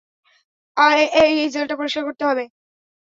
I জেলটা পরিষ্কার করতে হবে।